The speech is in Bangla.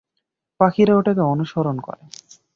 পাখিরা ওটাকে অনুসরণ করে।